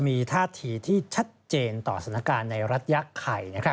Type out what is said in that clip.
จะมีทัธิที่ชัดเจนต่อสีหน้าการในรัฐยะไข่